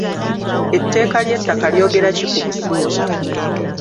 Etteeka ly’ettaka lyogera ki ku busuulu?